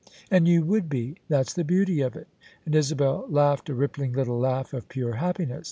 " And you would be: that's the beauty of it." And Isabel laughed a rippling little laugh of pure happiness.